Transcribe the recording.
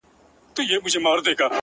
په سپورږمۍ كي ستا تصوير دى ـ